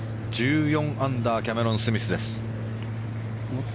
１４アンダーキャメロン・スミスです。